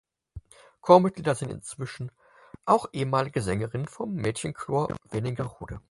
Chormitglieder sind inzwischen auch ehemalige Sängerinnen vom Mädchenchor Wernigerode.